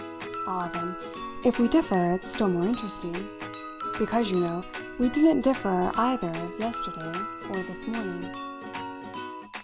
"Ah, then, if we differ it's still more interesting. Because, you know, we didn't differ either yesterday or this morning."